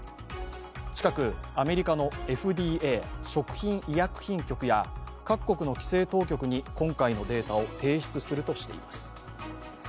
近く、アメリカのＦＤＡ＝アメリカ食品医薬品局や各国の規制当局に今回のデータを提出するとしています。